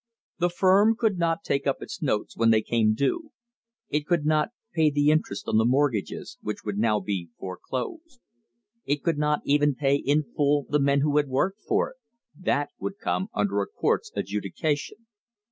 The firm could not take up its notes when they came due; it could not pay the interest on the mortgages, which would now be foreclosed; it could not even pay in full the men who had worked for it that would come under a court's adjudication.